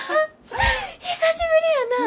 久しぶりやな！